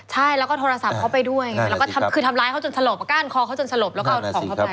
ใช่เข้าโทรศัพท์เข้าไปด้วยก็ทำร้ายเขาจนสลบก้านคอเขาจนสลบ